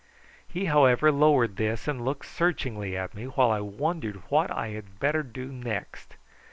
He, however, lowered this and looked searchingly at me, while I wondered what I had better do next.